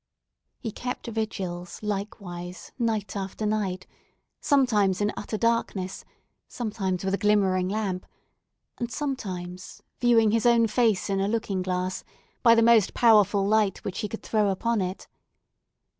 He kept vigils, likewise, night after night, sometimes in utter darkness, sometimes with a glimmering lamp, and sometimes, viewing his own face in a looking glass, by the most powerful light which he could throw upon it.